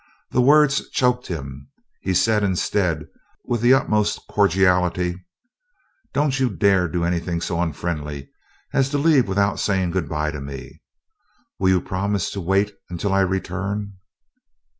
the words choked him. He said, instead, with the utmost cordiality: "Don't you dare do anything so unfriendly as to leave without saying good bye to me. Will you promise to wait until I return?"